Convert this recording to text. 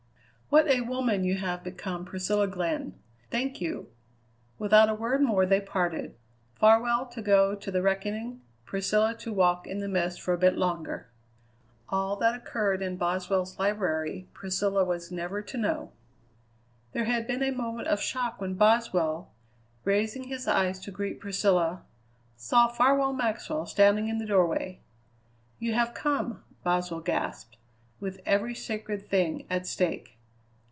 "What a woman you have become, Priscilla Glenn! Thank you." Without a word more they parted: Farwell to go to the reckoning; Priscilla to walk in the mist for a bit longer. All that occurred in Boswell's library Priscilla was never to know. There had been a moment of shock when Boswell, raising his eyes to greet Priscilla, saw Farwell Maxwell standing in the doorway. "You have come!" Boswell gasped, with every sacred thing at stake.